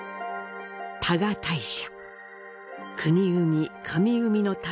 多賀大社。